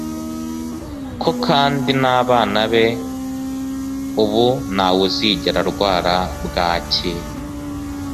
ko kand n’abana be ubu nta wuzigera arwara bwaki